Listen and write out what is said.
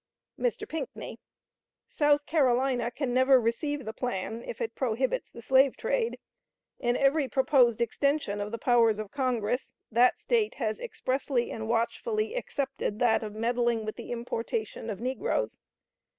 " Mr. Pinckney: "South Carolina can never receive the plan if it prohibits the slave trade. In every proposed extension of the powers of Congress, that State has expressly and watchfully excepted that of meddling with the importation of negroes.